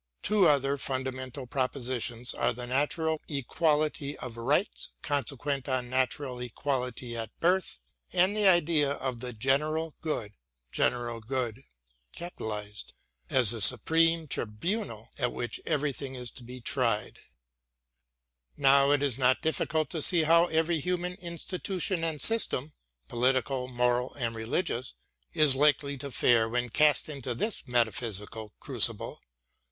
Two other fundamental propositions are the natural equality of rights consequent on natural equality at birth, and the idea of the General Good as the supreme tribunal at which everything is to be tried. Now it is not difficult to see how every human institution and system, political, moral, and religious, is likely to fare when cast into this metaphysical crucible.